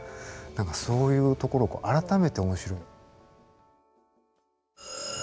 何かそういうところ改めておもしろい。